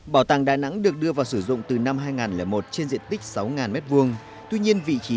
bảo tàng đà nẵng được đưa vào sử dụng từ năm hai nghìn một trên diện tích sáu m hai tuy nhiên vị trí